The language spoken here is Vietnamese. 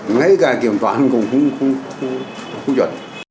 ngay cả kiểm toán cũng không chuẩn